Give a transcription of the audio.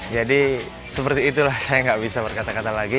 jadi seperti itulah saya nggak bisa berkata kata lagi